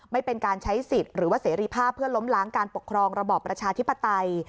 ไม่เป็นการใช้สิทธิ์หรือว่าเสรีภาพเพื่อล้มล้างการปกครองระบอบประชาธิปไตย